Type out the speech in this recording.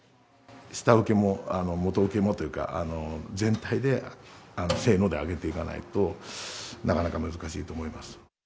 下請けも元請けもというか、全体で、せーので上げていかないと、なかなか難しいと思います。